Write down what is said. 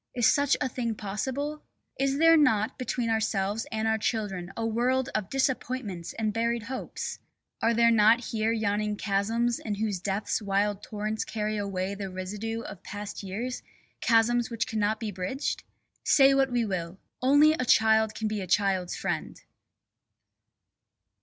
Is such a thing possible? Is there not between ourselves and our children a world of disappointments and buried hopes? Are there not here yawning chasms in whose depths wild torrents carry away the residue of past years, chasms which cannot be bridged? Say what we will, only a child can be a child's friend!